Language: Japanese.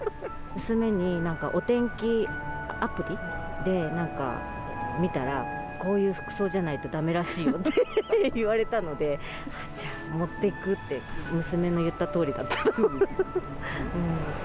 娘になんか、お天気アプリでなんか見たら、こういう服装じゃないとだめらしいよって言われたので、じゃあ持っていくって、娘の言ったとおりだった。